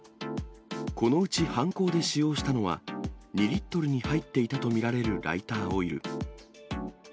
このうち犯行で使用したのは、２リットルに入っていたと見られるライターオイル。